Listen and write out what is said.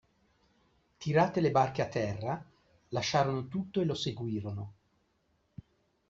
Tirate le barche a terra, lasciarono tutto e lo seguirono.